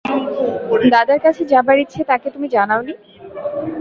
দাদার কাছে যাবার ইচ্ছে তাকে তুমি জানাও নি?